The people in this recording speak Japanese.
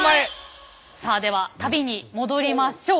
さあでは旅に戻りましょう。